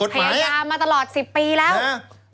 พยายามมาตลอด๑๐ปีแล้ว